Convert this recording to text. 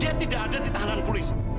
dia tidak ada di tahanan polisi